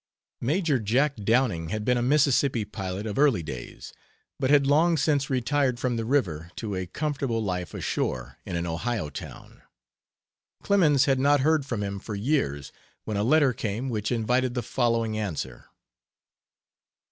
Major "Jack" Downing had been a Mississippi pilot of early days, but had long since retired from the river to a comfortable life ashore, in an Ohio town. Clemens had not heard from him for years when a letter came which invited the following answer.